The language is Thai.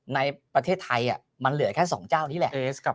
ในประเทศไทยมันเหลือแค่๒เจ้านี้แหละ